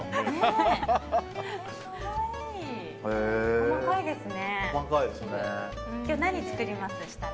細かいですね。